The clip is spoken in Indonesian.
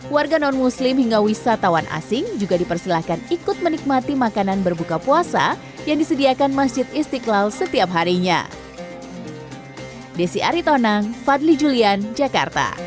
warga non muslim hingga wisatawan asing juga dipersilahkan ikut menikmati makanan berbuka puasa yang disediakan masjid istiqlal setiap harinya